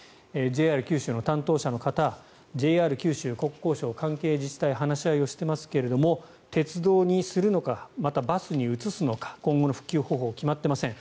ＪＲ九州の担当者の方ＪＲ九州、国交省、関係自治体で話し合いをしていますが鉄道にするのか、バスに移すのか今後の復旧方法決まってません。